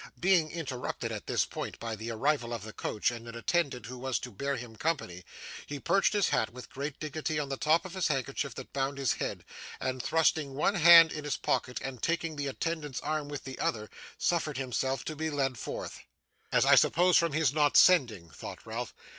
Being interrupted, at this point, by the arrival of the coach and an attendant who was to bear him company, he perched his hat with great dignity on the top of the handkerchief that bound his head; and, thrusting one hand in his pocket, and taking the attendant's arm with the other, suffered himself to be led forth. 'As I supposed from his not sending!' thought Ralph.